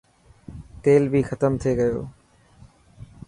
تيل بي ختم ٿي گيو.